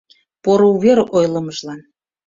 Поро увер ойлымыжлан